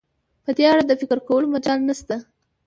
په دې اړه د فکر کولو مجال نشته.